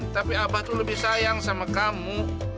tapi abah tuh lebih sayang sama kamu